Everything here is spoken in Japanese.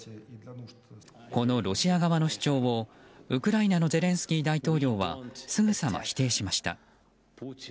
このロシア側の主張をウクライナのゼレンスキー大統領はすぐさま否定しました。